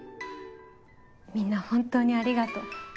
みんな本当にありがとう。